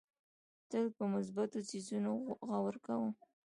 تل په مثبتو څیزونو غور کوم.